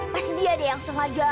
pasti dia deh yang sengaja